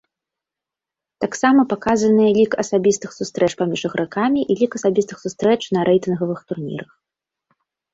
Таксама паказаныя лік асабістых сустрэч паміж ігракамі і лік асабістых сустрэч на рэйтынгавых турнірах.